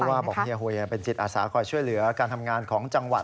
ว่าบอกเฮียหวยเป็นจิตอาสาคอยช่วยเหลือการทำงานของจังหวัด